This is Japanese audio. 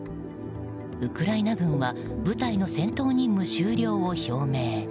ウクライナ軍は部隊の戦闘任務終了を表明。